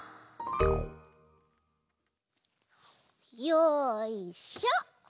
よいしょ！